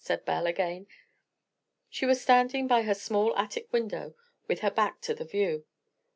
said Belle again. She was standing by her small attic window with her back to the view.